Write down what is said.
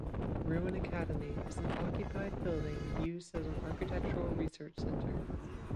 Ruin Academy is an occupied building used as an architectural research centre.